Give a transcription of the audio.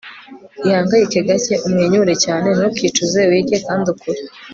ihangayike gake, umwenyure cyane. ntukicuze, wige kandi ukure